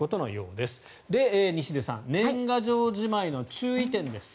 で、西出さん年賀状じまいの注意点です。